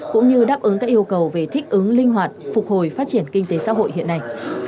cũng như đáp ứng các yêu cầu về thích ứng linh hoạt phục hồi phát triển kinh tế xã hội hiện nay